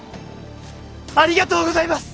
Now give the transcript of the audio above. ありがとうございます！